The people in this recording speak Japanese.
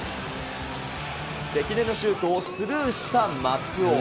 関根のシュートをスルーした松尾。